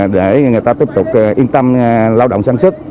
để người ta tiếp tục yên tâm lao động sản xuất